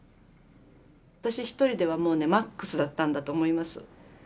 私一人ではもうねマックスだったんだと思います。